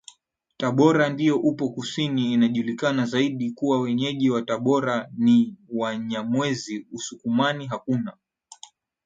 Tabora ndio upo kusini Inajulikana zaidi kuwa Wenyeji wa Tabora ni WanyamweziUsukumani hakuna